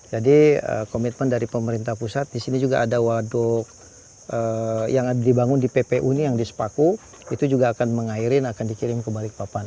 jadi komitmen dari pemerintah pusat di sini juga ada waduk yang dibangun di ppu ini yang di sepaku itu juga akan mengairin akan dikirim ke bali papan